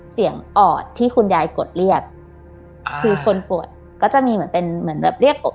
ออดที่คุณยายกดเรียกคือคนกดก็จะมีเหมือนเป็นเหมือนแบบเรียกอก